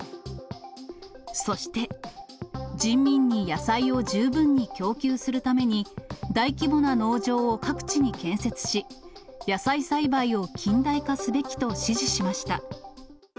そして、人民に野菜を十分に供給するために、大規模な農場を各地に建設し、野菜栽培を近代化すべきと指示しました。